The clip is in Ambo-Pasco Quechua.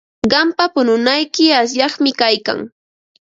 Qampa pununayki asyaqmi kaykan.